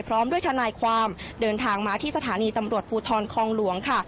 พร้อมด้วยทนายความเดินทางมาที่สถานีตำรวจภูทรคองหลวงค่ะ